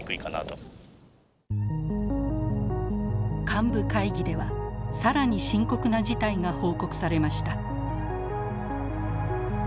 幹部会議では更に深刻な事態が報告されました。